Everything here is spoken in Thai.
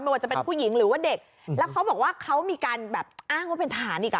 ว่าจะเป็นผู้หญิงหรือว่าเด็กแล้วเขาบอกว่าเขามีการแบบอ้างว่าเป็นทหารอีกอ่ะ